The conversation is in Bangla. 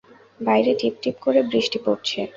বাইরে টিপটিপ করে বৃষ্টি পড়ছে।